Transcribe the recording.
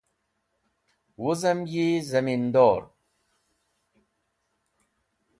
Wuzem yi Zamindor